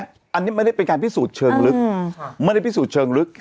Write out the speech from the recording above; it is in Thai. แบบนี้ไม่ได้การพิสูจน์เชิงลึก